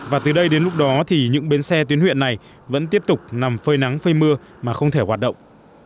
và từ đây đến lúc đó thì những bến xe tuyến huyện này vẫn tiếp tục nằm phơi nắng phơi mưa mà không thể hoạt động